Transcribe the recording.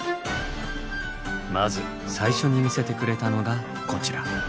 まず最初に見せてくれたのがこちら。